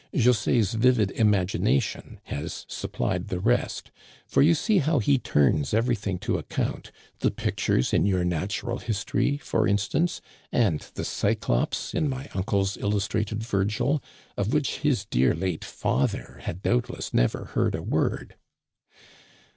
Jose's vivid imagination has sup plied the rest, for you see how he turns everything to account — the pictures in your natural history, for in stance, and the Cyclopes in my uncle's illustrated Vir gil, of which his dear late father had doubtless never heard a word.